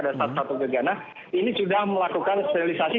ada satu satu gegana ini sudah melakukan sterilisasi